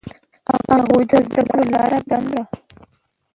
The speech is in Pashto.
هغوی د زده کړو لاره بنده کړه.